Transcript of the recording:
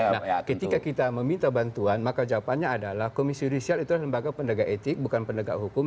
nah ketika kita meminta bantuan maka jawabannya adalah komisi judisial itu adalah lembaga pendegak etik bukan pendegak hukum